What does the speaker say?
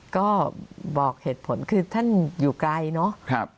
ก็บอกเหตุผลคือท่านอยู่ไกลเนอะ